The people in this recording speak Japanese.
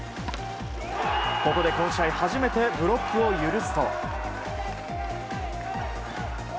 ここで、この試合初めてブロックを許すと。